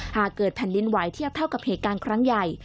หากเกิดแผ่นดินไหวเทียบเท่ากับเหตุการณ์ครั้งใหญ่